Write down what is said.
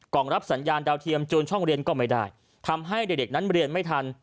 รับสัญญาณดาวเทียมจูนช่องเรียนก็ไม่ได้ทำให้เด็กนั้นเรียนไม่ทัน